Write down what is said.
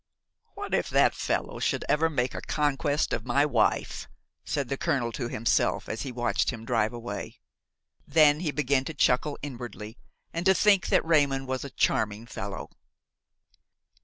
"What if that fellow should ever make a conquest of my wife!" said the colonel to himself as he watched him drive away. Then he began to chuckle inwardly and to think that Raymon was a charming fellow.